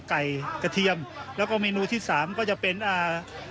ไก่กระเทียมแล้วก็เมนูที่สามก็จะเป็นอ่า